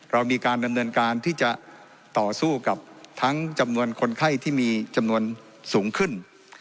เรามีการดำเนินการที่จะต่อสู้กับทั้งจำนวนคนไข้ที่มีจำนวนสูงขึ้น